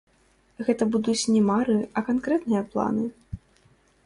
Гэта будуць не мары, а канкрэтныя планы.